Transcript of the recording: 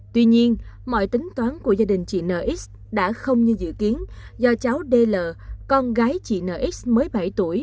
tuy nhiên mọi tính toán của gia đình chị nx đã không như dự kiến do cháu dl con gái chị nx mới bảy tuổi